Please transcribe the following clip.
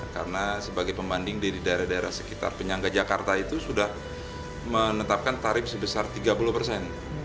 karena sebagai pembanding di daerah daerah sekitar penyangga jakarta itu sudah menetapkan tarif sebesar tiga puluh persen